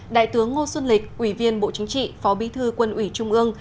đại tướng ngô xuân lịch ủy viên bộ chính trị phó bí thư quân ủy trung ương